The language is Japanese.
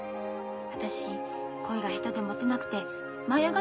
私恋が下手でもてなくて舞い上がってたの。